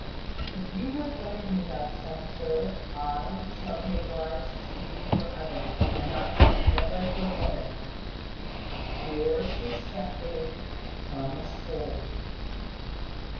If you would lend me that sum, sir, I shall be obliged to you for ever, and I shall never forget it. "Yours respectfully, "Thomas Holt."